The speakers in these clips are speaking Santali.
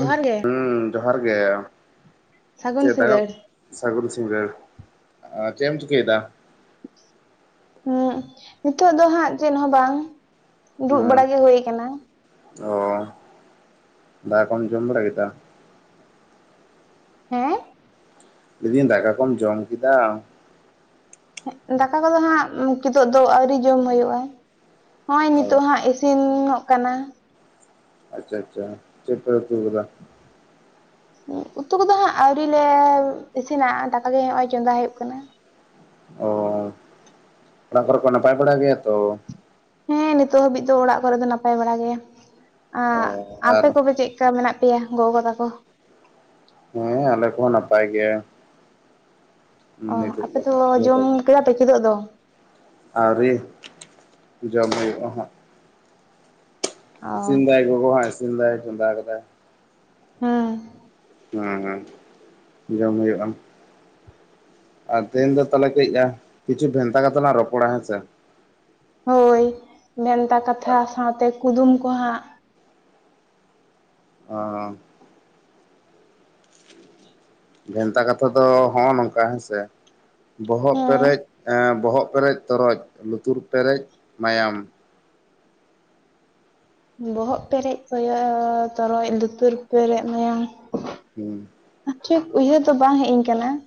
ᱡᱚᱦᱟᱨ ᱜᱮ ᱾ ᱡᱚᱦᱟᱨ ᱜᱮ ᱥᱟᱹᱜᱩᱱ ᱪᱮᱫ ᱫᱟᱠᱟ ᱥᱤᱸᱜᱟᱹᱲ ᱥᱟᱹᱜᱩᱱ ᱥᱤᱸᱜᱟᱹᱲ, ᱟᱨ ᱪᱮᱜ ᱮᱢ ᱪᱤᱠᱟᱹᱭ ᱫᱟ? ᱦᱩᱸ, ᱱᱤᱛᱚᱜ ᱫᱚ ᱦᱟᱸᱜ ᱪᱮᱫ ᱦᱚᱸ ᱵᱟᱝ ᱾ ᱫᱩᱲᱩᱵ ᱦᱮᱸ ᱵᱟᱲᱟ ᱜᱮ ᱦᱩᱭ ᱠᱟᱱᱟ ᱾ ᱚ, ᱫᱟᱠᱟ ᱠᱚᱢ ᱡᱚᱢ ᱵᱟᱲᱟ ᱠᱮᱫᱟ? ᱦᱮᱸ? ᱞᱤᱫᱤᱧ ᱫᱟᱠᱟ ᱠᱚᱢ ᱡᱚᱢ ᱠᱮᱫᱟ? ᱫᱟᱠᱟ ᱠᱚᱫᱚ ᱦᱟᱸᱜ ᱠᱤᱫᱳᱜ ᱫᱚ ᱟᱹᱣᱨᱤ ᱡᱚᱢ ᱦᱩᱭᱩᱜᱼᱟ, ᱱᱚᱜᱼᱚᱭ ᱱᱤᱛᱚᱜ ᱚ ᱦᱟᱸᱜ ᱤᱥᱤ ᱤᱥᱤᱱᱚᱜ ᱠᱟᱱᱟ ᱾ ᱟᱪᱪᱷᱟ ᱟᱪᱪᱷᱟ ᱾ ᱪᱮᱫ ᱯᱮ ᱩᱛᱩ ᱠᱟᱫᱟ? ᱩᱛᱩ ᱠᱚᱫᱚ ᱦᱟᱸᱜ ᱟᱹᱣᱨᱤ ᱞᱮ ᱤᱥᱤᱱᱟ ᱫᱟᱠᱟ ᱜᱮ ᱱᱚᱜᱼᱚᱭ ᱪᱚᱸᱫᱟ ᱦᱩᱭᱩᱜ ᱠᱟᱱᱟ ᱾ ᱚ ᱚᱲᱟ ᱠᱚᱨᱮ ᱠᱚ ᱱᱟᱯᱟᱭ ᱵᱟᱲᱟ ᱜᱮᱭᱟ ᱛᱚ? ᱦᱮᱸ, ᱱᱤᱛᱚᱜ ᱦᱟᱹᱵᱤᱡ ᱫᱚ ᱚᱲᱟᱜ ᱠᱚᱨᱮ ᱫᱚ ᱱᱟᱯᱟᱭ ᱵᱟᱲᱟ ᱜᱮᱭᱟ, ᱚ ᱟᱨ ᱟᱯᱮ ᱠᱚᱜᱮ ᱪᱮᱫ? ᱠᱟ ᱢᱮᱱᱟᱜ ᱯᱮᱭᱟ ᱜᱚ ᱛᱟᱠᱚ? ᱦᱮᱸᱟᱞᱮ ᱠᱚᱦᱚᱸ ᱱᱟᱯᱟᱭ ᱜᱮ ᱾ ᱚᱻ ᱟᱯᱮ ᱫᱚ ᱦᱟᱸᱜ ᱡᱚᱛᱚ ᱡᱚᱢ ᱠᱮᱫᱟ ᱯᱮ ᱠᱤᱫᱚᱜ ᱫᱚ? ᱟᱹᱣᱨᱤ ᱡᱚᱢ ᱦᱩᱭᱩᱜᱼᱟ ᱦᱟᱸᱜ ᱾ ᱚ ᱤᱥᱤᱱ ᱫᱟᱭ ᱜᱚᱜᱚ ᱦᱟᱸᱜ ᱤᱥᱤᱱ ᱫᱟᱭ ᱪᱚᱸᱫᱟ ᱟᱠᱟᱫᱟᱭ ᱾ ᱦᱮᱸ ᱾ ᱦᱮᱸ, ᱦᱮᱸ, ᱡᱚᱢ ᱦᱩᱭᱩᱜᱼᱟ ᱾ ᱟᱨ ᱛᱮᱦᱮᱧ ᱫᱚ ᱛᱟᱦᱚᱞᱮ ᱠᱟᱹᱡ ᱠᱤᱪᱷᱩ ᱵᱷᱮᱱᱛᱟ ᱠᱟᱛᱷᱟ ᱞᱟᱝ ᱨᱚᱯᱚᱲᱟ ᱾ ᱦᱮᱸᱥᱮ? ᱦᱳᱭ, ᱵᱷᱮᱱᱛᱟ ᱠᱟᱛᱷᱟ ᱥᱟᱶᱛᱮ ᱠᱩᱫᱩᱢ ᱠᱚ ᱦᱟᱸᱜ ᱾ ᱚ ᱾ ᱵᱷᱮᱱᱛᱟ ᱠᱟᱛᱷᱟ ᱫᱚ ᱦᱚᱸᱜᱼᱚᱭ ᱱᱚᱝᱠᱟ ᱦᱮᱸ ᱥᱮ ᱵᱚᱦᱚᱜ ᱦᱮᱸ ᱯᱮᱨᱮᱡ ᱵᱚᱦᱚᱜ ᱯᱮᱨᱮᱡ ᱛᱚᱨᱚᱡ ᱞᱩᱛᱩᱨ ᱯᱮᱨᱮᱡ ᱢᱟᱭᱟᱢ ᱵᱚᱦᱚᱜ ᱯᱮᱨᱮᱡ ᱠᱚᱭᱚᱜ ᱛᱚᱨᱚᱡ ᱞᱩᱛᱩᱨ ᱯᱮᱨᱮᱡ ᱢᱟᱭᱟᱝ ᱦᱩᱸ ᱾ ᱴᱷᱤᱠ ᱩᱭᱦᱟᱹᱨ ᱫᱚ ᱵᱟᱝ ᱦᱮᱡ ᱟᱹᱧ ᱠᱟᱱᱟ ᱾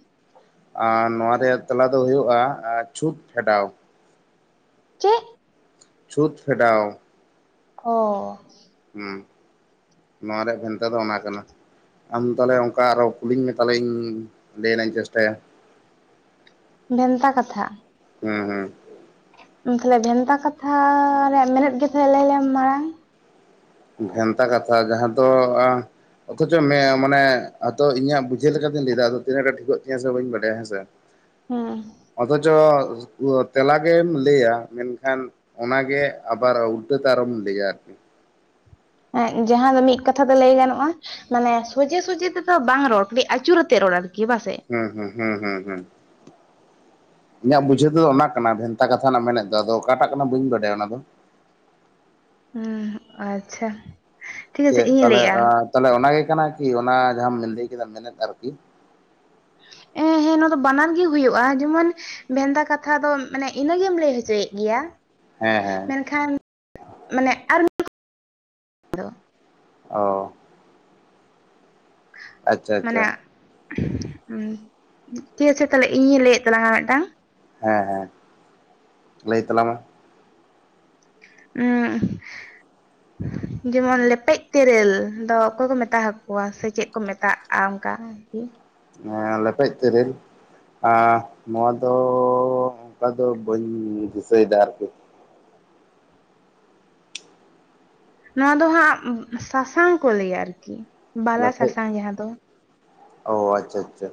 ᱟᱨ ᱱᱚᱣᱟ ᱨᱮᱭᱟᱜ ᱛᱮᱞᱟ ᱫᱚ ᱦᱩᱭᱩᱜᱼᱟ ᱪᱷᱩᱛ ᱯᱷᱮᱰᱟᱣ ᱾ ᱪᱮᱫ? ᱪᱷᱩᱛ ᱯᱷᱮᱰᱟᱣ ᱾ ᱚ ᱾ ᱦᱩᱸ, ᱱᱚᱣᱟ ᱨᱮᱭᱟᱜ ᱵᱷᱮᱱᱛᱟ ᱫᱚ ᱚᱱᱟ ᱠᱟᱱᱟ ᱾ ᱟᱢ ᱛᱟᱦᱚᱞᱮ ᱚᱱᱠᱟ ᱟᱨᱚᱸ ᱠᱩᱞᱤᱧ ᱢᱮ, ᱛᱟᱦᱚᱞᱮᱧ ᱞᱟᱹᱭᱱᱟᱧ ᱪᱮᱥᱴᱟᱭᱟ ᱾ [inaudible] ᱵᱷᱮᱱᱛᱟ ᱠᱟᱛᱷᱟ ᱾ ᱦᱮᱸ, ᱦᱮᱸ ᱾ ᱛᱟᱦᱚᱞᱮ ᱵᱷᱮᱱᱛᱟ ᱠᱟᱛᱷᱟ ᱨᱮᱭᱟᱜ ᱢᱮᱱᱮᱫ ᱜᱮ ᱛᱟᱦᱚᱞᱮ ᱞᱟᱹᱭ ᱞᱮᱢ ᱢᱟᱲᱟᱝ? ᱵᱷᱮᱱᱛᱟ ᱠᱟᱛᱷᱟ ᱡᱟᱦᱟᱸ ᱫᱚ ᱚᱛᱷᱚᱪᱚ ᱢᱮ ᱢᱟᱱᱮ ᱦᱚᱭᱛᱚ ᱤᱧᱟᱹᱜ ᱵᱩᱡᱷᱟᱹᱣ ᱞᱮᱠᱟ ᱞᱮᱠᱟᱛᱮᱧ ᱞᱟᱹᱭ ᱮᱫᱟ, ᱟᱫᱚ ᱛᱤᱱᱟᱹᱜ ᱜᱟᱱ ᱴᱷᱤᱠᱚᱜ ᱛᱤᱧᱟᱹ ᱥᱮ ᱵᱟᱹᱧ ᱵᱟᱰᱟᱭᱟ ᱾ ᱦᱮᱸ ᱥᱮ? [inaudible] ᱦᱮᱸ ᱾ ᱚᱛᱷᱪᱚ ᱛᱮᱞᱟ ᱜᱮᱢ ᱞᱟᱹᱭᱟ ᱢᱮᱱᱠᱷᱟᱱ ᱚᱱᱟ ᱜᱮ ᱟᱵᱟᱨ ᱩᱞᱴᱟᱹᱛᱮ ᱟᱨᱚᱢ ᱞᱟᱹᱭᱟ ᱟᱨᱠᱤ ᱾ ᱡᱟᱦᱟᱸ ᱫᱚ ᱢᱤᱫ ᱠᱟᱛᱷᱟ ᱛᱮ ᱞᱟᱹᱭ ᱜᱟᱱᱚᱜᱼᱟ ᱢᱟᱱᱮ ᱥᱚᱡᱷᱮ ᱥᱚᱡᱷᱮ ᱛᱮᱫᱚ ᱵᱟᱝ ᱨᱚᱲ ᱠᱟᱹᱴᱤᱡ ᱟᱹᱪᱩᱨᱟᱛᱮᱫ ᱨᱚᱲ ᱟᱨᱠᱤ ᱾ ᱵᱟᱝᱥᱮ? ᱦᱩᱸ ᱦᱩᱸ ᱦᱩᱸ ᱦᱩᱸ ᱦᱩᱸ ᱤᱧᱟᱹᱜ ᱵᱩᱡᱷᱟᱹᱣ ᱫᱚ ᱚᱱᱠᱟ ᱠᱟᱱᱟ ᱵᱷᱮᱱᱛᱟ ᱠᱟᱛᱷᱟ ᱨᱮᱱᱟᱜ ᱢᱮᱱᱮᱫ ᱫᱚ ᱟᱫᱚ ᱚᱠᱟᱴᱟᱜ ᱠᱟᱱᱟ ᱵᱟᱹᱧ ᱵᱟᱰᱟᱭᱟ ᱚᱱᱟ ᱫᱚ ᱩᱸ ᱟᱪᱪᱷᱟ ᱴᱷᱤᱠ ᱪᱮ ᱟᱪᱷᱮ ᱤᱧ ᱛᱟᱦᱚᱞᱮ ᱞᱟᱹᱭᱮᱜᱼᱟ ᱛᱟᱦᱚᱞᱮ ᱚᱱᱟᱜᱮ ᱠᱟᱱᱟ ᱠᱤ ᱚᱱᱟ ᱡᱟᱦᱟᱸ ᱟᱢ ᱞᱟᱹᱭ ᱠᱮᱫᱟ ᱢᱮᱱᱮᱫ ᱟᱨᱠᱤ ᱦᱮᱸ ᱦᱮᱸ ᱱᱚᱶᱟ ᱫᱚ ᱵᱟᱱᱟᱨ ᱜᱮ ᱦᱩᱭᱩᱜᱼᱟ ᱡᱮᱢᱚᱱ ᱵᱷᱮᱱᱛᱟ ᱠᱟᱛᱷᱟ ᱫᱚ ᱢᱟᱱᱮ ᱤᱱᱟᱹᱜᱮᱢ ᱞᱟᱹᱭ ᱦᱚᱪᱚᱭᱮᱫ ᱜᱮᱭᱟ ᱦᱮᱸ ᱦᱮᱸ ᱢᱮᱱᱷᱟ ᱢᱟᱱᱮ ᱟᱨ ᱚ ᱟᱪᱪᱷᱟ ᱟᱪᱪᱷᱟ ᱢᱟᱱᱮ ᱟᱪᱷᱮ ᱛᱟᱦᱞᱮ ᱤᱧᱤᱧ ᱞᱟᱹᱭᱮᱫ ᱛᱟᱞᱟᱝᱟ ᱢᱤᱫᱴᱟᱝ ᱦᱮᱸ ᱦᱮᱸ ᱞᱟᱹᱭ ᱛᱟᱞᱟᱝ ᱢᱮ [unintelligible] ᱩᱸ [unintelligible] [inaudible] ᱡᱮᱢᱚᱱ ᱞᱮᱯᱮᱡ ᱛᱮᱨᱮᱞ ᱫᱚ ᱚᱠᱚᱭ ᱠᱚ ᱢᱮᱛᱟ ᱦᱟᱠᱚᱣᱟ ᱥᱮ ᱪᱮᱫ ᱠᱚ ᱢᱮᱛᱟᱜᱼᱟ ᱚᱱᱠᱟ [inaudible] ᱦᱮᱸ ᱞᱮᱯᱮᱡ ᱛᱤᱨᱤᱞ ᱱᱚᱣᱟ ᱫᱚᱻᱚᱱᱠᱟ ᱫᱚ ᱵᱟᱹᱧ ᱫᱤᱥᱟᱹᱭᱮᱫᱟ ᱟᱨᱠᱤ ᱱᱚᱣᱟ ᱫᱚ ᱦᱟᱸᱜ ᱥᱟᱥᱟᱝ ᱠᱚ ᱞᱟᱹᱭᱟ ᱟᱨᱠᱤ ᱵᱟᱞᱟ ᱞᱮᱯᱮᱡ ᱥᱟᱥᱟᱝ ᱡᱟᱦᱟᱸ ᱫᱚ ᱚ ᱟᱪᱪᱷᱟ ᱟᱪᱪᱷᱟ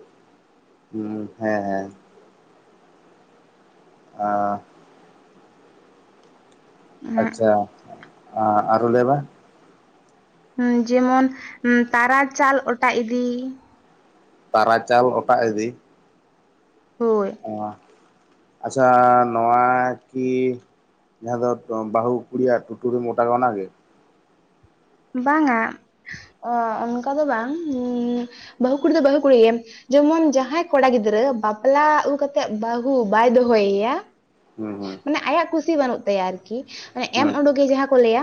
ᱦᱩᱸ ᱦᱮᱸ ᱦᱮᱸ ᱟ ᱟᱪᱪᱷᱟ ᱟᱸ ᱟᱨ ᱦᱚᱸ ᱞᱟᱹᱭ ᱢᱮ ᱩᱸ ᱡᱮᱢᱚᱱ ᱛᱟᱨᱟ ᱪᱟᱞ ᱚᱴᱟ ᱤᱫᱤ ᱛᱟᱨᱟ ᱪᱟᱞ ᱚᱴᱟᱜ ᱤᱫᱤ ᱦᱳᱭ ᱟᱪᱪᱷᱟ ᱱᱚᱣᱟ ᱠᱤ ᱡᱟᱦᱟᱸ ᱫᱚ ᱵᱟᱹᱦᱩ ᱠᱩᱲᱤ ᱭᱟᱜ ᱴᱳᱴᱩᱨᱮᱢ ᱚᱴᱟᱜᱟ ᱚᱱᱟ ᱜᱮ ᱵᱟᱝᱟ ᱚᱱᱠᱟ ᱫᱚ ᱵᱟᱝ ᱵᱟᱹᱦᱩ ᱠᱩᱲᱤ ᱫᱚ ᱵᱟᱹᱦᱩ ᱠᱩᱲᱤ ᱜᱮ ᱡᱮᱢᱚᱱ ᱡᱟᱦᱟᱸᱭ ᱠᱚᱲᱟ ᱜᱤᱫᱽᱨᱟᱹ ᱵᱟᱯᱞᱟ ᱟᱹᱜᱩ ᱠᱟᱛᱮᱜ ᱵᱟᱹᱦᱩ ᱵᱟᱭ ᱫᱚᱦᱚ ᱭᱮᱭᱟ ᱦᱩᱸ ᱢᱟᱱᱮ ᱟᱭᱟᱜ ᱠᱩᱥᱤ ᱵᱟᱹᱱᱩᱜ ᱛᱟᱭᱟ ᱟᱨᱠᱤ ᱮᱢ ᱦᱩᱸ ᱩᱰᱩᱠᱮ ᱡᱟᱦᱟᱸ ᱠᱚ ᱞᱟᱹᱭᱟ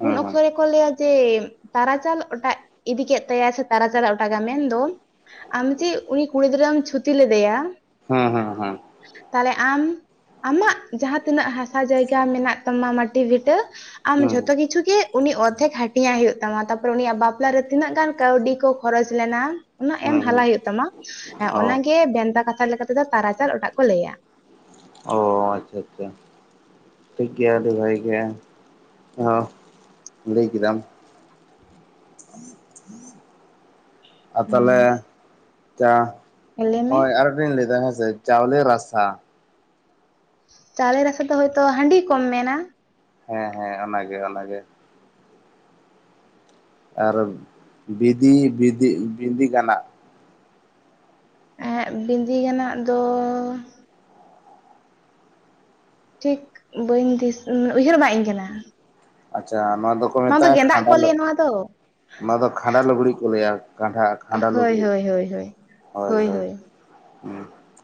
ᱦᱩᱸ ᱩᱱ ᱦᱩᱸ ᱚᱠᱛᱚᱨ ᱨᱮ ᱦᱚᱲ ᱠᱚ ᱞᱟᱹᱭᱟ ᱡᱮ ᱛᱟᱨᱟᱪᱟᱞ ᱚᱴᱟᱜ ᱤᱫᱤ ᱠᱮᱫ ᱛᱟᱭᱟ ᱥᱮ ᱛᱟᱨᱟᱪᱟᱞᱮ ᱚᱴᱟᱜᱟ ᱢᱮᱱᱫᱚ ᱟᱢ ᱡᱮ ᱩᱱᱤ ᱠᱩᱲᱤ ᱜᱤᱫᱽᱨᱟᱹᱢ ᱪᱷᱩᱛᱤ ᱞᱮᱫᱮᱭᱟ ᱦᱮᱸ ᱦᱮᱸ ᱦᱮᱸ ᱛᱟᱦᱞᱮ ᱟᱢ ᱟᱢᱟᱜ ᱡᱟᱦᱟᱸ ᱛᱤᱱᱟᱹᱜ ᱦᱟᱥᱟ ᱡᱟᱭᱜᱟ ᱢᱮᱱᱟᱜ ᱛᱟᱢᱟ ᱢᱟᱴᱤ ᱵᱷᱤᱴᱟᱹ ᱟᱢ ᱦᱩᱸ ᱡᱚᱛᱚ ᱠᱤᱪᱷᱩ ᱜᱮ ᱩᱱᱤ ᱚᱫᱷᱮᱠ ᱦᱟ [unintelligible] ᱦᱩᱭᱩᱜ ᱛᱟᱢᱟ ᱛᱟᱯᱚᱨᱮ ᱩᱱᱤᱭᱟᱜ ᱵᱟᱯᱞᱟ ᱨᱮ ᱛᱤᱱᱟᱹᱜ ᱜᱟᱱ ᱠᱟᱹᱣᱰᱤ ᱠᱚ ᱠᱷᱚᱨᱚᱪ ᱞᱮᱱᱟ ᱩᱱᱟᱹᱜ ᱦᱩᱸ ᱮᱢ ᱦᱩᱸ ᱦᱩᱸ ᱦᱟᱞᱟ ᱦᱩᱭᱩᱜ ᱛᱟᱢᱟ ᱚ ᱚᱱᱟᱜᱮ ᱵᱷᱮᱱᱛᱟ ᱠᱟᱛᱷᱟ ᱞᱮᱠᱟ ᱛᱮᱫᱚ ᱛᱟᱨᱟᱪᱟᱞ ᱚᱴᱟᱜ ᱠᱚ ᱞᱟᱹᱭᱟ᱾ ᱚ ᱟᱪᱪᱷᱟ ᱟᱪᱪᱷᱟ ᱴᱷᱤᱠ ᱜᱮᱭᱟ ᱟᱹᱰᱤ ᱵᱷᱟᱹᱜ ᱜᱮ ᱚᱸ ᱞᱟᱹᱭ ᱠᱮᱫᱟᱢ ᱟᱨ ᱦᱩᱸ ᱛᱟᱦᱚᱞᱮ ᱪᱟ ᱞᱟᱹᱭ ᱢᱮ ᱦᱳᱭ ᱟᱨᱢᱮᱫᱴᱟᱧ ᱞᱟᱹᱭᱮᱫᱟ ᱦᱮᱸᱥᱮ ᱪᱟᱣᱞᱮ ᱨᱟᱥᱛᱟ ᱪᱟᱣᱞᱮ ᱨᱟᱥᱟ ᱫᱚ ᱦᱭᱛᱳ ᱦᱟᱺᱰᱤ ᱠᱚᱢ ᱢᱮᱱᱟ ᱦᱮᱸ ᱦᱮᱸ ᱚᱱᱟᱜᱮ ᱚᱱᱟᱜᱮ ᱟᱨ ᱵᱤᱫᱤ ᱵᱤᱫᱤ ᱵᱤᱸᱫᱤ ᱜᱟᱱᱟᱜ ᱮᱸ ᱵᱸᱤᱫᱤ ᱜᱟᱱᱟᱜ ᱫᱚᱻᱚ ᱴᱷᱤᱠ ᱵᱟᱹᱧ ᱫᱤᱥ [unintelligible] ᱩᱭᱦᱟᱹᱨ ᱵᱟᱜ ᱤᱧ ᱠᱟᱱᱟ ᱟᱪᱪᱷᱟ ᱱᱚᱣᱟ ᱫᱚᱠᱚ ᱵᱟᱝ ᱫᱚ ᱢᱮᱛᱟᱜᱼᱟ ᱜᱮᱸᱫᱟᱜ ᱠᱷᱟᱸᱰᱟ ᱠᱚ ᱞᱟᱹᱭᱟ ᱱᱚᱣᱟ ᱫᱚ [unintelligible] ᱱᱚᱣᱟ ᱫᱚ ᱠᱷᱟᱸᱰᱟ ᱞᱩᱜᱽᱲᱤ ᱠᱚ ᱞᱟᱹᱭᱟ ᱠᱟᱱᱰᱷᱟ ᱠᱷᱟᱸᱰᱟ ᱦᱳᱭ ᱞᱩᱜᱽᱲᱤᱡ ᱦᱳᱭ ᱦᱳᱭ ᱦᱳᱭ ᱦᱳᱭ ᱦᱳᱭ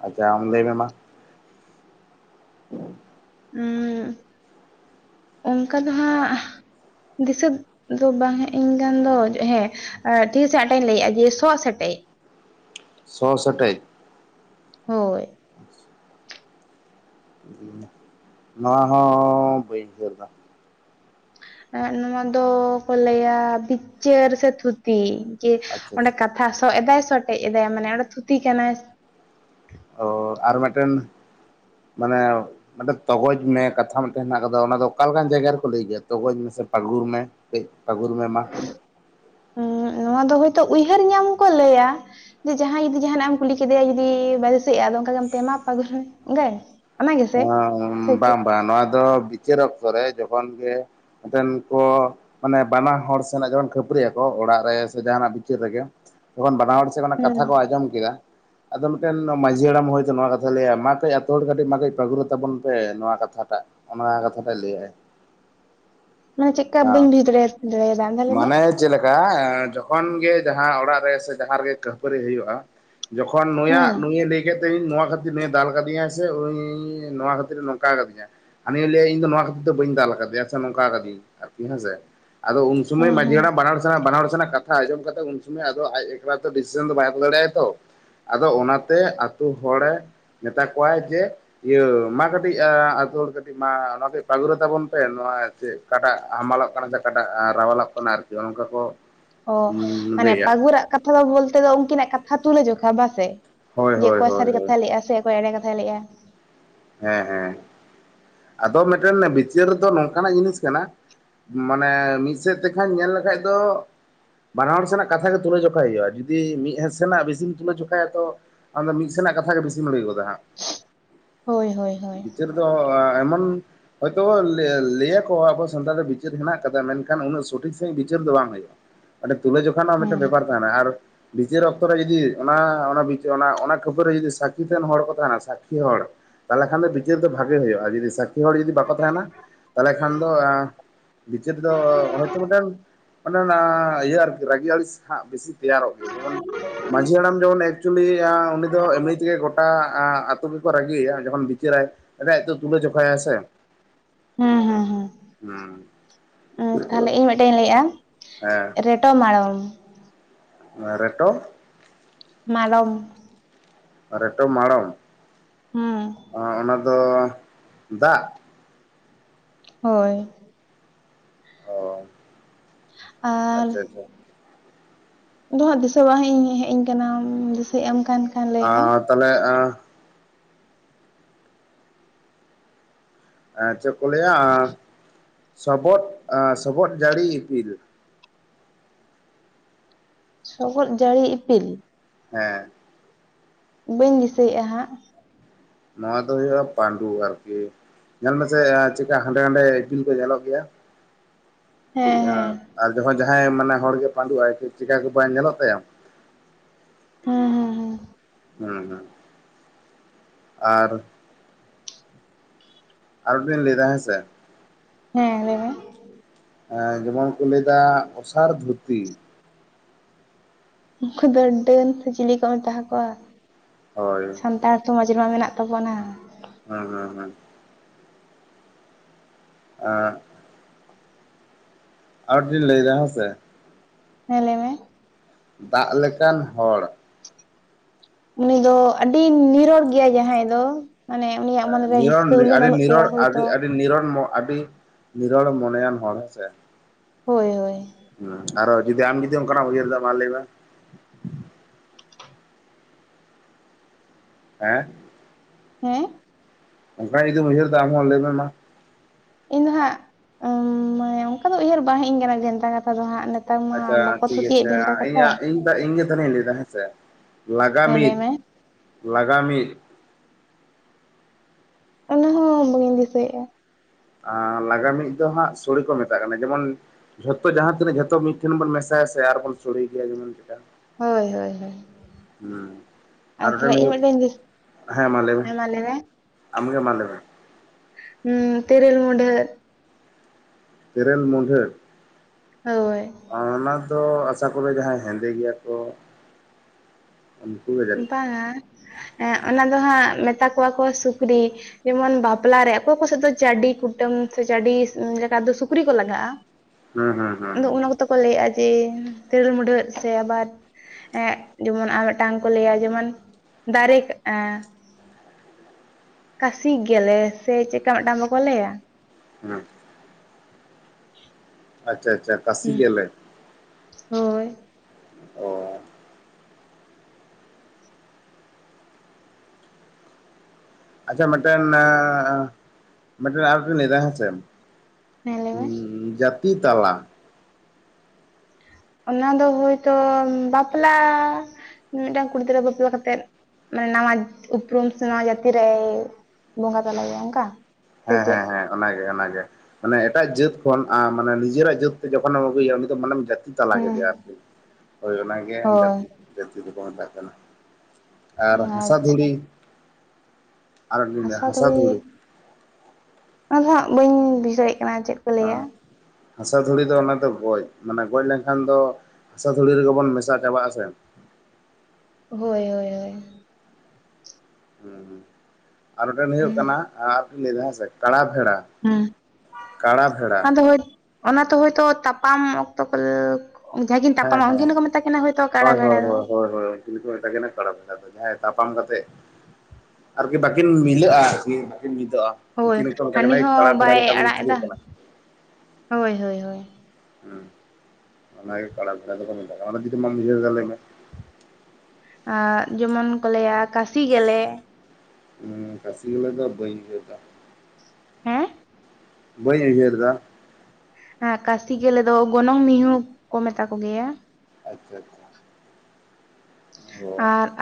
ᱟᱪᱪᱷᱟ ᱟᱢ ᱞᱟᱹᱭ ᱢᱮ ᱢᱟ [inaudible] ᱩᱸᱜ ᱚᱱᱠᱟ ᱫᱚ ᱦᱟᱸᱜ ᱫᱤᱥᱟᱹ [unintelligible] ᱫᱚ ᱵᱟᱝ ᱦᱮᱡ ᱟᱧ ᱠᱟᱹᱱ ᱫᱚ ᱦᱮᱸ ᱴᱷᱤᱥ ᱟᱴᱟ ᱤᱧ ᱞᱟᱹᱭᱮᱫᱼᱟ ᱡᱮ ᱥᱚᱜ ᱥᱮᱴᱮᱡ ᱥᱚ ᱥᱮᱴᱮᱡ ᱦᱳᱭ ᱟᱪᱪᱷᱟ [inaudible] ᱱᱚᱣᱟ ᱦᱚᱸ ᱵᱟᱹᱧ ᱩᱭᱦᱟᱹᱨ ᱮᱫᱟ [inaudible] ᱱᱚᱣᱟ ᱫᱚᱠᱚ ᱞᱟᱹᱭᱟ ᱵᱤᱪᱟᱹᱨ ᱥᱮ ᱛᱷᱩᱛᱤ ᱡᱮ ᱟᱪᱪᱷᱟ ᱚᱸᱰᱮ ᱠᱟᱛ ᱛᱷᱟ ᱥᱚᱜ ᱮᱫᱟᱭ ᱥᱚᱴᱮᱡ ᱮᱫᱟᱭ ᱢᱟᱱᱮ ᱚᱰᱮ ᱛᱷᱩᱛᱤ ᱠᱟᱱᱟᱭ ᱚ ᱟᱨ ᱢᱤᱫᱴᱮᱱ ᱢᱟᱱᱮ ᱢᱟᱱᱮ ᱛᱚᱜᱚᱡ ᱢᱮ ᱠᱟᱛᱷᱟ ᱢᱤᱫᱴᱮᱱ ᱦᱮᱱᱟᱜ ᱟᱠᱟᱫᱟ ᱚᱱᱟ ᱫᱚ ᱚᱠᱟᱞᱮᱠᱟᱱ ᱡᱟᱭᱜᱟ ᱨᱮᱠᱚ ᱞᱟᱹᱭ ᱜᱮᱭᱟ ᱛᱚᱜᱚᱡ ᱢᱮᱥᱮ ᱯᱟᱹᱜᱩᱨ ᱢᱮ ᱯᱟᱜᱩᱨ ᱢᱮ ᱢᱟ ᱱᱚᱣᱟ ᱫᱚ ᱦᱳᱭᱛᱳ ᱩᱭᱦᱟᱹᱨ ᱧᱟᱢ ᱠᱚ ᱞᱟᱹᱭᱟ ᱡᱮ ᱡᱟᱦᱟᱸᱭ ᱡᱩᱫᱤ ᱡᱟᱦᱟᱱᱟᱜ ᱮᱢ ᱠᱩᱞᱤ ᱠᱮᱫᱮᱭᱟ ᱡᱩᱫᱤ ᱵᱟᱭ ᱫᱤᱥᱟᱹᱭᱼᱟ ᱟᱫᱚ ᱚᱱᱠᱟ ᱜᱮ ᱢᱟ ᱯᱟᱜᱚᱨ ᱚᱱᱠᱟᱜᱮ ᱦᱚᱸ ᱵᱟᱝ ᱵᱟᱝ ᱱᱚᱣᱟ ᱫᱚ ᱵᱤᱪᱟᱹᱨ ᱚᱠᱛᱚ ᱨᱮ ᱡᱚᱠᱷᱚᱱ ᱜᱮ ᱟᱛᱮᱱ ᱠᱚ ᱢᱟᱱᱮ ᱵᱟᱱᱟ ᱦᱚᱲ ᱥᱮᱱᱟᱜ ᱡᱚᱠᱷᱚᱱ ᱠᱷᱟᱹᱯᱟᱹᱨᱤᱜ ᱟᱠᱚ ᱚᱲᱟᱜ ᱨᱮ ᱥᱮ ᱡᱟᱦᱟᱱᱟᱜ ᱵᱤᱪᱟᱹᱨ ᱨᱮᱜᱮ ᱛᱚᱠᱷᱚᱱ ᱵᱟᱱᱟ ᱦᱚᱲ ᱢᱟᱱᱮ ᱦᱩᱸ ᱠᱟᱛᱷᱟ ᱠᱚ ᱟᱸᱡᱚᱢ ᱠᱮᱫᱟ᱾ ᱟᱫᱚ ᱢᱤᱫᱴᱮᱱ ᱢᱟᱺᱡᱷᱤ ᱦᱟᱲᱟᱢ ᱦᱚᱭᱛᱳ ᱱᱚᱣᱟ ᱠᱟᱛᱷᱟ ᱞᱟᱹᱭᱟ ᱢᱟ ᱠᱟᱹᱡ ᱟᱛᱳ ᱦᱚᱲ ᱠᱟᱹᱴᱤᱡ ᱢᱟ ᱠᱟᱹᱡ ᱯᱟᱹᱜᱩᱨ ᱛᱟᱵᱚᱱ ᱯᱮ ᱱᱚᱣᱟ ᱠᱟᱛᱷᱟᱴᱟᱜ ᱚᱱᱟ ᱠᱟᱛᱷᱟ ᱴᱟᱜ ᱮ ᱞᱟᱹᱭᱟᱭ ᱢᱟᱱᱮ ᱪᱮᱠᱟ ᱵᱟᱹᱧ ᱵᱩᱡ ᱫᱟᱲᱮᱭᱟ ᱫᱟᱲᱮᱭᱟᱫᱟ ᱛᱟᱦᱚᱞᱮ ᱢᱮ ᱢᱟᱱᱮ ᱪᱮᱫ ᱞᱮᱠᱟ ᱡᱚᱠᱷᱚᱱ ᱜᱮ ᱡᱟᱦᱟᱸ ᱚᱲᱟᱜ ᱨᱮ ᱥᱮ ᱡᱟᱦᱟᱸ ᱨᱮᱜᱮ ᱠᱟᱹᱯᱟᱹᱨᱤ ᱦᱩᱭᱩᱜᱼᱟ᱾ ᱡᱚᱠᱷᱚᱱ ᱱᱩᱭᱟᱜ ᱦᱩᱸ ᱱᱩᱭ ᱮ ᱞᱟᱹᱭ ᱠᱮᱫ ᱛᱮ ᱤᱧ ᱱᱚᱣᱟ ᱠᱷᱟᱹᱛᱤᱨ ᱱᱩᱭ ᱫᱟᱞ ᱠᱟᱫᱤᱧᱟᱭ ᱥᱮ ᱤᱧ ᱱᱚᱣᱟ ᱠᱷᱟᱹᱛᱤᱨ ᱱᱚᱝᱠᱟ ᱟᱠᱟᱫᱤᱧᱟ ᱦᱟᱱᱤ ᱞᱟᱹᱭᱟ ᱤᱧ ᱫᱚ ᱱᱚᱣᱟ ᱠᱷᱟᱹᱛᱤᱨ ᱫᱚ ᱵᱟᱹᱧ ᱫᱟᱞ ᱟᱠᱟᱫᱮᱭᱟ ᱥᱮ ᱱᱚᱝᱠᱟ ᱠᱟᱫᱮᱭᱟᱹᱧ ᱟᱨᱠᱤ ᱦᱮᱸᱥᱮ ᱟᱫᱚ ᱩᱱ ᱥᱚᱢᱚᱭ ᱦᱩᱸ ᱢᱟᱡᱷᱤ ᱦᱩᱸ ᱦᱟᱲᱟᱢ ᱵᱟᱱᱟ ᱦᱚᱲ ᱵᱟᱱᱟ ᱦᱚᱲ ᱥᱟᱞᱟᱜ ᱠᱟᱛᱷᱟ ᱟᱡᱚᱢ ᱠᱟᱛᱮᱜ ᱩᱱ ᱥᱚᱢᱚᱭ ᱟᱫᱚ ᱟᱡ ᱮᱠᱞᱟ ᱛᱮ ᱰᱤᱥᱤᱥᱚᱱ ᱫᱚ ᱵᱟᱭ ᱟᱜᱩ ᱫᱟᱲᱮᱭᱟᱜ ᱟᱭ ᱛᱚ ᱟᱫᱚ ᱚᱱᱟᱛᱮ ᱟᱛᱳ ᱦᱚᱲᱮ ᱢᱮᱛᱟ ᱠᱚᱣᱟᱭ ᱡᱮ ᱤᱭᱟᱹ ᱢᱟ ᱠᱟᱹᱴᱤᱡ ᱟᱛᱳ ᱦᱚᱲ ᱠᱟᱹᱴᱤᱡ ᱢᱟ ᱱᱚᱣᱟ ᱠᱟᱹᱴᱤᱡ ᱯᱟᱜᱽᱨᱟᱹ ᱛᱟᱵᱚᱱ ᱯᱮ ᱱᱚᱣᱟ ᱪᱮᱫ ᱚᱠᱟᱴᱟᱜ ᱦᱟᱢᱟᱞᱚᱜ ᱠᱟᱱᱟ ᱥᱮ ᱚᱠᱟᱴᱟᱜ ᱨᱟᱣᱟᱞᱚᱜ ᱠᱟᱱᱟ ᱟᱨᱠᱤ ᱚᱱᱠᱟ ᱠᱚ ᱚ ᱢᱟᱱᱮ ᱞᱟᱹᱭᱟ ᱯᱟᱹᱜᱩᱨᱟᱜ ᱠᱟᱛᱷᱟ ᱫᱚ ᱵᱚᱞᱛᱮ ᱫᱚ ᱩᱱᱠᱤᱱᱟᱜ ᱠᱟᱛᱷᱟ ᱛᱩᱞᱟᱹ ᱡᱚᱠᱷᱟ ᱵᱟᱥᱮ ᱦᱳᱭ ᱡᱮ ᱦᱳᱭ ᱚᱠᱚᱭ ᱦᱳᱭ ᱥᱟᱹᱨᱤ ᱦᱳᱭ ᱠᱟᱛᱷᱟᱭ ᱞᱟᱹᱭ ᱮᱫᱼᱟ ᱥᱮ ᱚᱠᱚᱭ ᱮᱲᱮ ᱠᱟᱛᱷᱟᱭ ᱞᱮᱜᱼᱟ ᱦᱮᱸ ᱦᱮᱸ ᱟᱫᱚ ᱢᱤᱫᱴᱮᱱ ᱵᱤᱪᱟᱹᱨ ᱫᱚ ᱱᱚᱝᱠᱟᱱᱟᱜ ᱡᱤᱱᱤᱥ ᱠᱟᱱᱟ ᱢᱟᱱᱮ ᱢᱤᱫ ᱥᱮᱫ ᱛᱮᱠᱷᱟᱱ ᱧᱮᱞ ᱞᱮᱠᱷᱟᱡ ᱫᱚ ᱵᱟᱱᱟ ᱦᱚᱲ ᱥᱮᱱᱟᱜ ᱠᱟᱛᱷᱟᱜ ᱛᱩᱞᱟᱹ ᱡᱚᱠᱷᱟᱭ ᱦᱩᱭᱩᱜᱼᱟ ᱡᱚᱫᱤ ᱢᱤᱫ ᱥᱮᱱᱟᱜ ᱵᱮᱥᱤᱢ ᱛᱩᱞᱟᱹ ᱡᱚᱠᱷᱟᱭᱟ ᱛᱚ ᱟᱫᱚ ᱢᱤᱫᱥᱮᱫᱱᱟᱜ ᱠᱟᱛᱷᱟ ᱜᱮ ᱵᱤᱥᱤᱢ ᱞᱟᱹᱭ ᱜᱚᱫᱟ ᱦᱟᱸᱜ ᱦᱳᱭ ᱦᱳᱭ ᱦᱳᱭ ᱟᱫᱚ ᱮᱢᱚᱱ ᱦᱳᱭᱛᱳ ᱞᱟᱹᱭᱟ ᱠᱚ ᱟᱵᱚ ᱥᱟᱱᱛᱟᱲ ᱨᱮ ᱵᱤᱪᱟᱹᱨ ᱦᱮᱱᱟᱜ ᱟᱠᱟᱫᱟ ᱢᱮᱱᱠᱷᱟᱱ ᱩᱱᱟᱹᱜ ᱥᱚᱴᱷᱤᱠ ᱥᱟᱺᱦᱤᱡ ᱵᱤᱪᱟᱹᱨ ᱫᱚ ᱵᱟᱝ ᱦᱳᱭᱳᱜᱼᱟ ᱟᱰᱤ ᱛᱩᱞᱟᱹ ᱡᱚᱠᱷᱟ ᱨᱮᱱᱟᱜ ᱦᱚᱸᱢᱤᱫᱴᱟᱝ ᱦᱩᱸ ᱵᱮᱯᱟᱨ ᱛᱟᱦᱮᱱᱟ ᱟᱨ ᱵᱤᱪᱟᱹᱨ ᱚᱠᱛᱚ ᱨᱮ ᱡᱩᱫᱤ ᱚᱱᱟ ᱵᱤ ᱚᱱᱟ ᱠᱷᱟᱹᱯᱟᱹᱨ ᱨᱮ ᱡᱩᱫᱤ ᱥᱟᱹᱠᱷᱤᱛᱟᱱ ᱦᱚᱲ ᱠᱚ ᱛᱟᱦᱮᱱᱟ ᱥᱟᱹᱠᱷᱤ ᱦᱚᱲ ᱛᱟᱦᱚᱞᱮ ᱠᱷᱟᱱ ᱫᱚ ᱵᱤᱪᱟᱹᱨ ᱫᱚ ᱵᱷᱟᱜᱮ ᱦᱩᱭᱩᱜᱼᱟ ᱟᱨ ᱡᱚᱫᱤ ᱥᱟᱠᱠᱷᱤ ᱦᱚᱲ ᱡᱩᱫᱤ ᱵᱟᱠᱚ ᱛᱟᱦᱮᱱᱟ ᱛᱟᱦᱚᱞᱮ ᱠᱷᱟᱱ ᱫᱚ ᱵᱤᱪᱟᱹᱨ ᱫᱚ ᱦᱚᱭᱛᱳ ᱢᱤᱫᱴᱮᱱ ᱚᱱᱮ ᱚᱱᱟ ᱤᱭᱟᱹ ᱟᱨᱠᱤ ᱨᱟᱹᱜᱤ ᱟᱹᱲᱤᱥ ᱦᱟᱜ ᱵᱮᱥᱤ ᱛᱮᱭᱟᱨᱚᱜ ᱜᱮ ᱡᱮᱢᱚᱱ ᱢᱟᱺᱡᱷᱤ ᱦᱟᱲᱟᱢ ᱡᱮᱢᱚᱱ ᱮᱠᱪᱩᱭᱮᱞᱤ ᱩᱱᱤ ᱫᱚ ᱮᱢᱱᱤ ᱛᱮᱜᱮ ᱜᱚᱴᱟ ᱟ ᱮᱠᱚ ᱨᱟᱹᱜᱤᱭᱮᱭᱟ ᱡᱚᱠᱷᱚᱱ ᱵᱤᱪᱟᱹᱨᱟᱭ ᱥᱮ ᱟᱡ ᱛᱮ ᱛᱩᱞᱟᱹ ᱡᱚᱠᱷᱟᱭ ᱥᱮ ᱦᱩᱸ ᱦᱩᱸ ᱦᱩᱸ ᱦᱩᱸ ᱛᱟᱦᱚᱞᱮ ᱤᱧ ᱢᱤᱫᱴᱮᱱ ᱤᱧ ᱞᱟᱹᱭᱮᱜᱼᱟ ᱦᱮᱸ ᱨᱮᱴᱚ ᱢᱟᱲᱚᱢ ᱨᱮᱴᱚ ᱢᱟᱲᱚᱢ ᱨᱮᱴᱚ ᱢᱟᱲᱚᱢ ᱦᱮᱸ ᱚᱱᱟ ᱫᱚ ᱫᱟᱜ ᱦᱳᱭ ᱚ ᱟᱨ ᱟᱪᱪᱷᱟ ᱟᱪᱪᱷᱟ ᱟᱫᱚ ᱦᱟᱸᱜ ᱫᱤᱥᱟᱹ ᱵᱟᱝ ᱦᱟᱸᱜ ᱤᱧ ᱦᱮᱡ ᱤᱧ ᱠᱟᱱᱟ ᱫᱤᱥᱟᱹᱭ ᱮᱢ ᱠᱟᱱ ᱠᱷᱟᱱ ᱞᱟᱹᱭ ᱢᱮ ᱟᱨ ᱛᱟᱦᱚᱞᱮ ᱪᱮᱫ ᱠᱚ ᱞᱟᱹᱭᱟ ᱥᱚᱵᱚᱫ ᱥᱚᱵᱚᱫ ᱡᱟᱹᱲᱤ ᱤᱯᱤᱞ ᱥᱚᱵᱚᱫ ᱡᱟᱲᱤ ᱤᱯᱤᱞ ᱦᱮᱸ ᱵᱟᱹᱧ ᱫᱤᱥᱟᱹᱭᱮᱫᱼᱟ ᱦᱟᱸᱜ ᱱᱚᱣᱟ ᱫᱚ ᱦᱩᱭᱩᱜᱼᱟ ᱯᱟᱺᱰᱩ ᱟᱨᱠᱤ ᱧᱮᱞ ᱢᱮᱥᱮ ᱪᱮᱠᱟ ᱦᱟᱸᱰᱮ ᱱᱟᱰᱮ ᱤᱯᱤᱞ ᱠᱚ ᱧᱮᱞᱚᱜ ᱜᱮᱭᱟ ᱦᱮᱸ ᱟᱨ ᱡᱟᱦᱟᱸᱭ ᱡᱟᱦᱟᱸᱭ ᱢᱟᱱᱮ ᱦᱚᱲᱜᱮ ᱯᱟᱸᱰᱩᱜ ᱟᱭ ᱪᱮᱠᱟ ᱠᱚ ᱵᱟᱝᱟᱭ ᱧᱮᱞᱚᱜ ᱛᱟᱭᱟ ᱦᱮᱸ ᱦᱮᱸ ᱦᱮᱸ ᱦᱮᱸ ᱦᱮᱸ ᱟᱨ ᱟᱨᱢᱤᱫ ᱫᱷᱟᱣ ᱤᱧ ᱞᱟᱹᱭᱮᱫᱟ ᱦᱮᱸ ᱥᱮ ᱦᱮᱸ ᱞᱟᱹᱭ ᱢᱮ ᱡᱮᱢᱚᱱ ᱠᱚ ᱞᱟᱹᱭ ᱮᱫᱟ ᱚᱥᱟᱨ ᱫᱷᱩᱛᱤ ᱩᱱᱠᱩ ᱫᱚ ᱰᱟᱹᱱ ᱥᱮ ᱪᱤᱞᱤ ᱠᱚ ᱢᱮᱛᱟ ᱠᱚᱣᱟ ᱦᱳᱭ ᱥᱟᱱᱛᱟᱲ ᱡᱚᱛᱚ ᱢᱚᱡᱽ ᱨᱮᱢᱟ ᱢᱮᱱᱟᱜ ᱛᱟᱵᱚᱱᱟ ᱦᱩᱸ ᱦᱩᱸ ᱦᱩᱸ ᱟᱨ ᱟᱨ ᱢᱤᱫᱴᱟᱝ ᱤᱧ ᱞᱟᱹᱭᱮᱫᱟ ᱦᱮᱸ ᱥᱮ ᱦᱮᱸ ᱞᱟᱹᱭ ᱢᱮ ᱫᱟᱜ ᱞᱮᱠᱟᱱ ᱦᱚᱲ ᱩᱱᱤ ᱫᱚ ᱟᱹᱰᱤ ᱱᱤᱨᱚᱲ ᱜᱮᱭᱟᱭ ᱡᱟᱦᱟᱸᱭ ᱫᱚ ᱢᱟᱱᱮ ᱩᱱᱤᱭᱟᱜ ᱢᱚᱱᱮᱨᱮ ᱱᱤᱨᱚᱲ ᱦᱤᱥᱠᱟᱹ ᱟ ᱦᱩᱞᱩᱝ ᱵᱟᱹᱱᱩᱜ ᱛᱟᱭᱟ ᱱᱤᱨᱚᱲ ᱟ ᱦᱳᱭᱛᱳ ᱟᱹᱰᱤ ᱱᱤᱨᱚᱲ ᱢ ᱱᱤᱨᱚᱲ ᱢᱚᱱᱮᱭᱟᱱ ᱦᱚᱲ ᱦᱮᱸ ᱥᱮ ᱦᱳᱭ ᱦᱳᱭ ᱦᱩᱸ ᱟᱨᱦ ᱡᱩᱫᱤ ᱟᱢ ᱡᱚᱫᱤ ᱚᱱᱠᱟᱱᱟᱜ ᱩᱭᱦᱟᱹᱨ ᱫᱟ ᱢᱟ ᱞᱟᱹᱭ ᱢᱮ ᱦᱮᱸ ᱦᱮᱸ ᱚᱱᱠᱟ ᱡᱩᱫᱤᱢ ᱩᱭᱦᱟᱹᱨ ᱫᱟ ᱟᱢ ᱦᱚᱸ ᱞᱟᱹᱭᱢᱮ ᱢᱟ ᱤᱧ ᱫᱚ ᱦᱟᱸᱜ ᱢᱟᱱᱮ ᱚᱱᱠᱟ ᱫᱚ ᱩᱭᱦᱟᱹᱨ ᱵᱟᱝ ᱦᱮᱡ ᱤᱧ ᱠᱟᱱᱟ ᱵᱷᱮᱱᱛᱟ ᱠᱟᱛᱷᱟ ᱫᱚ ᱦᱟᱸᱜ ᱱᱮᱛᱟᱨ ᱢᱟ ᱟᱪᱪᱷᱟ ᱵᱟᱠᱚ ᱴᱷᱤᱠ ᱛᱷᱩᱛᱤᱭᱮᱫ ᱟᱪᱷᱮ ᱵᱷᱮᱱᱛᱟ ᱠᱟᱛᱷᱟ ᱤᱧᱟᱹᱜ ᱤᱧ ᱤᱧᱜᱮ ᱛᱚᱨᱮᱧ ᱞᱟᱹᱭᱫᱟ ᱦᱮᱸᱥᱮ ᱞᱟᱜᱟ ᱦᱮᱸ ᱢᱤᱫ ᱞᱟᱹᱭ ᱢᱮ ᱞᱟᱜᱟ ᱢᱤᱫ ᱚᱱᱟ ᱦᱚᱸ ᱵᱟᱝᱤᱧ ᱫᱤᱥᱟᱹᱭᱮᱫᱼᱟ ᱞᱟᱜᱟ ᱢᱤᱫ ᱫᱚ ᱦᱟᱸᱜ ᱥᱳᱲᱮ ᱠᱚ ᱢᱮᱛᱟᱜ ᱠᱟᱱᱟ ᱡᱮᱢᱚᱱ ᱡᱷᱚᱛᱚ ᱡᱟᱦᱟ ᱛᱤᱱᱟᱹᱜ ᱡᱷᱚᱛᱚ ᱢᱤᱫ ᱴᱷᱮᱱ ᱵᱚᱱ ᱢᱮᱥᱟᱭᱟ ᱥᱮ ᱟᱨ ᱵᱚᱱ ᱥᱳᱲᱮ ᱜᱮᱭᱟ ᱡᱮᱢᱚᱱ ᱪᱮᱫᱠᱟ ᱦᱳᱭ ᱦᱳᱭ ᱦᱳᱭ ᱦᱩᱸ ᱟᱨ ᱛᱟᱦᱚᱞᱮ ᱤᱧ ᱢᱤᱫ ᱦᱮᱸ ᱢᱟᱞᱟᱹᱭ ᱢᱮ ᱟᱢ ᱜᱮ ᱢᱟ ᱞᱟᱹᱭ ᱢᱮ ᱦᱩᱸ ᱛᱮᱤᱨᱤᱞ ᱢᱩᱰᱷᱟᱹᱜ ᱛᱤᱨᱮᱞ ᱢᱩᱱᱰᱷᱟᱹᱜ ᱦᱳᱭ ᱚᱱᱟ ᱫᱚ ᱟᱥᱟ ᱠᱚᱨᱮ ᱡᱟᱦᱟᱸᱭ ᱦᱮᱸᱫᱮ ᱜᱮᱭᱟ ᱠᱚ ᱩᱱᱠᱩ ᱜᱮ ᱡᱟᱹᱱᱤᱡ ᱵᱟᱝᱟ ᱦᱮᱸ ᱚᱱᱟ ᱫᱚ ᱦᱟᱸᱜ ᱢᱮᱛᱟ ᱠᱚᱣᱟ ᱠᱚ ᱥᱩᱠᱨᱤ ᱡᱮᱢᱚᱱ ᱵᱟᱯᱞᱟᱨᱮ ᱚᱠᱚᱭ ᱠᱚ ᱥᱮᱫ ᱫᱚ ᱪᱟᱹᱰᱤ ᱠᱩᱴᱟᱹᱢ ᱥᱮ ᱪᱟᱹᱰᱤ ᱞᱮᱠᱟ ᱫᱚ ᱥᱩᱠᱨᱤ ᱠᱚ ᱞᱟᱜᱟᱜᱼᱟ ᱦᱩᱸ ᱦᱩᱸ ᱦᱩᱸ ᱦᱩᱸ ᱡᱚᱛᱚ ᱠᱚ ᱞᱟᱹᱭᱮᱜᱼᱟ ᱡᱮ ᱛᱤᱨᱮᱞ ᱢᱩᱱᱰᱷᱟᱹᱜ ᱥᱮ ᱟᱵᱟᱨ ᱡᱮᱢᱚᱱ ᱟᱨ ᱢᱤᱫᱴᱟᱝ ᱞᱟᱹᱭᱟ ᱡᱮᱢᱚᱱ ᱫᱟᱨᱮ ᱠᱟᱥᱤ ᱜᱮᱞᱮ ᱥᱮ ᱪᱮᱫᱠᱟ ᱢᱤᱫᱴᱟᱝ ᱵᱟᱠᱚ ᱞᱟᱹᱭᱟ ᱦᱮᱸ ᱦᱮ [unintelligible] ᱟᱪᱪᱷᱟ ᱟᱪᱪᱷᱟ ᱠᱟᱥᱤ ᱜᱮᱞᱮ ᱦᱳᱭ ᱚ ᱟᱪᱪᱷᱟ ᱢᱮᱴᱮᱱ ᱟᱨ ᱢᱮᱴᱮᱱ ᱞᱟ. ᱤ ᱫᱟ ᱦᱮᱸ ᱥᱮ ᱦᱮᱸ ᱞᱟᱹᱭ ᱦᱩ ᱢᱮ ᱡᱟᱹᱛᱤ ᱛᱟᱞᱟ ᱚᱱᱟ ᱫᱚ ᱦᱳᱭᱛᱳ ᱵᱟᱯᱞᱟ ᱢᱤᱫ ᱴᱟᱝ ᱠᱩᱲᱤ ᱜᱤᱫᱨᱟᱹ ᱵᱟᱯᱞᱟ ᱠᱟᱛᱮᱜ ᱢᱟᱱᱮ ᱱᱟᱣᱭᱟ ᱩᱯᱨᱩᱢ ᱥᱮ ᱱᱟᱣᱭᱟ ᱡᱟᱹᱛᱤ ᱨᱮ ᱵᱚᱸᱜᱟ ᱛᱟᱞᱟᱭᱮᱭᱟ ᱚᱱᱠᱟ ᱥᱮ ᱦᱮᱸ ᱪᱮᱫ ᱦᱮᱸ ᱦᱮᱸ ᱚᱱᱟᱜᱮ ᱚᱱᱟᱜᱮ ᱢᱟᱱᱮ ᱮᱴᱟᱜ ᱡᱟᱹᱛ ᱠᱷᱚᱱ ᱟᱢ ᱢᱟᱱᱮ ᱱᱤᱡᱮ ᱨᱟᱜ ᱡᱟᱹᱛ ᱛᱮ ᱡᱚᱠᱷᱚᱱᱮᱢ ᱟᱹᱜᱩᱭᱮᱭᱟ ᱩᱱᱤ ᱫᱚ ᱢᱟᱱᱮᱢ ᱡᱟᱹᱛᱤ ᱛᱟᱞᱟ ᱦᱮᱸ ᱠᱮᱫᱮᱭᱟᱯ ᱦᱳᱭ ᱚᱱᱟᱜᱮ ᱦᱳᱭ ᱡᱟᱹᱛᱤ ᱡᱟᱹᱛᱤ ᱫᱚ ᱠᱚ ᱢᱮᱛᱟᱜ ᱠᱟᱱᱟ ᱟᱨ ᱦᱟᱥᱟ ᱟᱪᱪᱷᱟ ᱫᱷᱩᱲᱤ ᱟᱨ ᱞᱟ. ᱭ ᱦᱟᱥᱟ ᱫᱷᱩᱲᱤ ᱚᱱᱟ ᱫᱚ ᱦᱟᱸᱜ ᱵᱟᱹᱧ ᱵᱩᱡᱷᱚ ᱫᱟᱲᱮ ᱠᱟᱱᱟ ᱪᱮᱫ ᱠᱚ ᱦᱟ ᱞᱟᱹᱭᱟ ᱦᱟᱥᱟ ᱫᱷᱩᱲᱤ ᱫᱚ ᱚᱱᱟ ᱫᱚ ᱜᱚᱡᱽ ᱢᱟᱱᱮ ᱜᱚᱡ ᱞᱮᱱ ᱠᱷᱟᱱ ᱫᱚ ᱦᱟᱥᱟ ᱫᱩᱲᱤ ᱨᱮᱜᱮ ᱵᱚᱱ ᱢᱮᱥᱟ ᱪᱟᱵᱟᱜᱼᱟ ᱥᱮ ᱦᱳᱭ ᱦᱳᱭ ᱦᱳᱭ ᱦᱩ ᱦᱩ ᱟᱨ ᱚᱸᱴᱮᱱ ᱦᱩᱭᱩᱜ ᱦᱩᱸ ᱠᱟᱱᱟ ᱟᱨ ᱢᱤᱫᱴᱟᱝ ᱤᱧ ᱞᱟᱹᱭ ᱮᱫᱟ ᱦᱮᱸᱥᱮ ᱠᱟᱲᱟ ᱵᱷᱮᱲᱟ ᱠᱟᱲᱟ ᱵᱷᱮᱲᱟ ᱦᱮᱸ ᱟᱫᱳ ᱦᱳᱭᱛᱳ ᱚᱱᱟ ᱫᱚ ᱦᱳᱭᱛᱳ ᱛᱟᱯᱟᱢ ᱚᱠᱛᱚ ᱠᱚ ᱞᱟ. ᱡᱟᱦᱟ. ᱠᱤᱱ ᱦᱮᱸ ᱛᱟᱯᱟᱢᱟ ᱩᱱᱠᱤᱱ ᱦᱮᱸ ᱦᱚᱸ ᱠᱚ ᱢᱮᱛᱟ ᱠᱤᱱᱟ ᱦᱳᱭᱛᱳ ᱠᱟᱲᱟ ᱦᱳᱭ ᱦᱳᱭ ᱵᱷᱮᱲᱟ ᱫᱚ ᱦᱳᱭ ᱦᱳᱭ ᱦᱳᱭ ᱩᱱᱠᱤᱱ ᱠᱚ ᱢᱮᱛᱟ ᱠᱤᱱᱟ. ᱠᱟᱲᱟ ᱵᱷᱮᱲᱟ ᱡᱟᱦᱟᱸᱭ ᱛᱟᱯᱟᱢ ᱠᱟᱛᱮᱫ ᱟᱨ ᱠᱤ ᱵᱟᱝ ᱠᱤᱱ ᱢᱤᱞᱟᱹᱜᱼᱟ ᱟᱨ ᱠᱤ ᱵᱟᱝ ᱠᱤᱱ ᱢᱤᱫᱳᱜᱼᱟ ᱦᱳᱭ ᱦᱟᱹᱱᱤ ᱦᱚᱸ ᱵᱟᱭ ᱟᱲᱟᱜ ᱮᱫᱟ ᱪᱤᱠᱟᱹᱜ ᱠᱟᱱᱟ ᱦᱳᱭ ᱦᱳᱭ ᱦᱩᱸ ᱚᱱᱟ ᱜᱮ ᱠᱟᱲᱟ ᱵᱷᱮᱲᱟ ᱫᱚ ᱠᱚ ᱢᱮᱛᱟᱜ ᱠᱟᱱᱟ ᱟᱨ ᱡᱮᱢᱚᱱ ᱠᱚ ᱞᱟᱹᱭᱟ ᱠᱟᱥᱤ ᱜᱮᱞᱮ ᱦᱮᱸ ᱠᱟᱥᱤ ᱜᱮᱞᱮ ᱫᱚ ᱵᱟᱹᱧ ᱞᱟᱹᱭ ᱫᱟ ᱦᱮᱸ ᱵᱟᱹᱧ ᱩᱭᱦᱟᱹᱨ ᱫᱟ ᱦᱮᱸ ᱠᱟᱥᱤ ᱜᱮᱞᱮ ᱫᱚ ᱜᱚᱱᱚᱝ ᱢᱤᱦᱩ ᱠᱚ ᱢᱮᱛᱟ ᱠᱚᱜᱮᱭᱟ ᱟᱪᱪᱷᱟ ᱟᱪᱷᱟ ᱟᱨ ᱟ